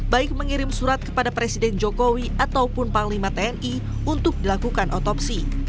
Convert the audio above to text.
baik mengirim surat kepada presiden jokowi ataupun panglima tni untuk dilakukan otopsi